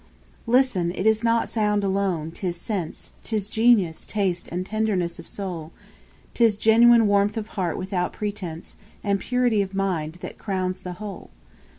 6. Listen! It is not sound alone, 'tis sense, 'Tis genius, taste, and tenderness of soul: 'Tis genuine warmth of heart without pretence, And purity of mind that crowns the whole.